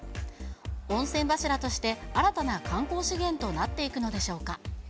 温泉柱として新たな観光資源となっていくのでしょうか。